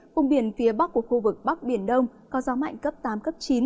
vùng biển phía bắc của khu vực bắc biển đông có gió mạnh cấp tám cấp chín